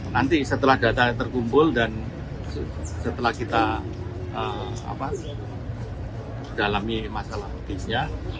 nanti setelah data terkumpul dan setelah kita dalami masalah medisnya